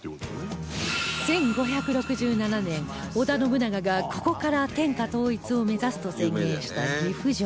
１５６７年織田信長がここから天下統一を目指すと宣言した岐阜城